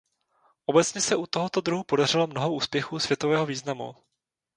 Obecně se u tohoto druhu podařilo mnoho úspěchů světového významu.